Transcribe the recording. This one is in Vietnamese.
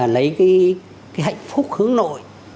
lấy cái hạnh phúc hướng nội